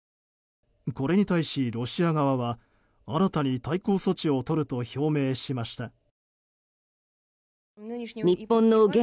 これに対し、ロシア側は新たに対抗措置をとると表明しました。